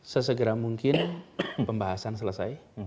sesegera mungkin pembahasan selesai